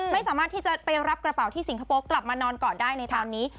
ไม่สามารถที่จะไปรับกระเป๋าที่สิงคโปร์กลับมานอนก่อนได้ในตอนนี้